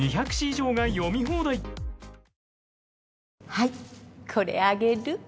はいこれあげる。